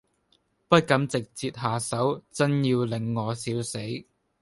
不敢直捷下手，眞要令我笑死。